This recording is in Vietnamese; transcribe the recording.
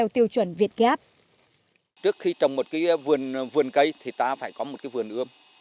trước khi trồng một cái vườn cây thì ta phải có một cái vườn ươm